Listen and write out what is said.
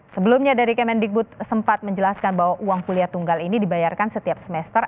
sebelumnya dari kemendikbud sempat menjelaskan bahwa uang kuliah tunggal ini dibayarkan setiap semester